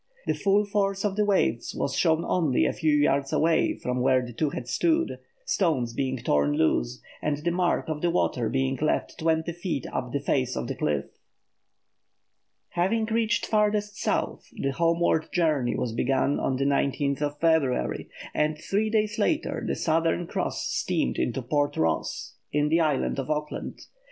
The full force of the waves was shown only a few yards away from where the two had stood, stones being torn loose and the mark of the water being left twenty feet up the face of the cliff. Having reached "farthest South," the homeward journey was begun on February 19, and three days later the Southern Cross steamed into Port Ross, in the Island of Auckland.